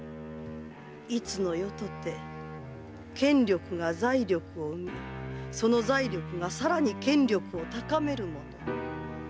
いつの世とて権力が財力を生みその財力がさらに権力を高めるもの。